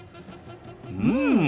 うん。